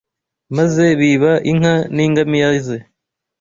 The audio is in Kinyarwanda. maze biba inka n’ingamiya ze